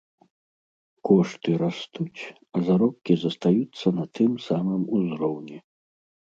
Кошты растуць, а заробкі застаюцца на тым самым узроўні.